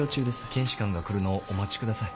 検視官が来るのをお待ちください。